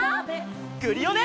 クリオネ！